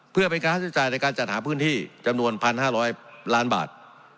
เพื่อเป็นการค่าใช้จ่ายในการจัดหาพื้นที่จำนวน๑๕๐๐ล้านบาท